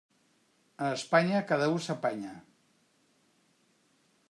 A Espanya, cada u s'apanya.